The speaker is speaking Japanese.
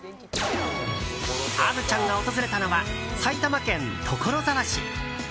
虻ちゃんが訪れたのは埼玉県所沢市。